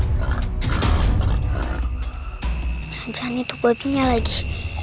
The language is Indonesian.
jangan jangan itu babinya lagi